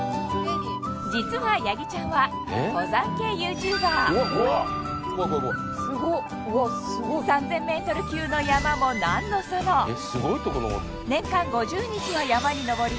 実はやぎちゃんは登山系ＹｏｕＴｕｂｅｒ３０００ｍ級の山も何のその年間５０日は山に登り